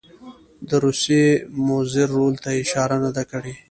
د روسیې مضر رول ته یې اشاره نه ده کړې.